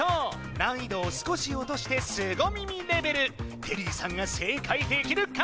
難易度を少し落としてスゴ耳レベルテリーさんが正解できるか！？